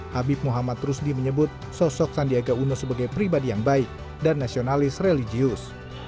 habib muhammad rusdi menyebut sosok sandiaga uno sebagai pribadi yang baik dan nasionalis religius